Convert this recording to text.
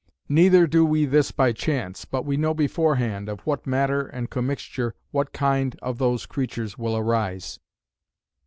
Neither do we this by chance, but we know beforehand, of what matter and commixture what kind of those creatures will arise.